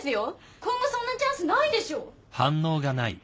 今後そんなチャンスないでしょ！